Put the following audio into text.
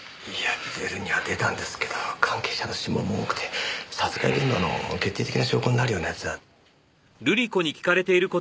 出るには出たんですけど関係者の指紋も多くて殺害現場の決定的な証拠になるようなやつは。